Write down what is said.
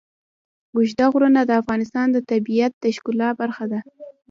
اوږده غرونه د افغانستان د طبیعت د ښکلا برخه ده.